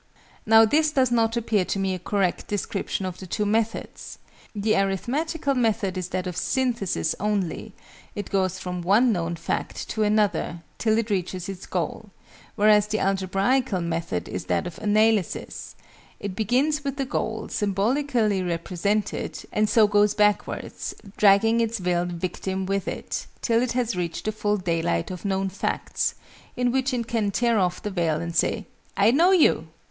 Now this does not appear to me a correct description of the two methods: the Arithmetical method is that of "synthesis" only; it goes from one known fact to another, till it reaches its goal: whereas the Algebraical method is that of "analysis": it begins with the goal, symbolically represented, and so goes backwards, dragging its veiled victim with it, till it has reached the full daylight of known facts, in which it can tear off the veil and say "I know you!"